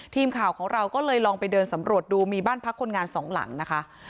ทีมข่าวของเราก็เลยลองไปเดินสำรวจดูมีบ้านพักคนงานสองหลังนะคะ